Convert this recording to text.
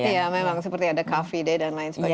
ya memang seperti ada coffee day dan lain sebagainya